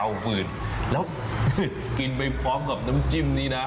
เอาฝืนแล้วกินไปพร้อมกับน้ำจิ้มนี้นะ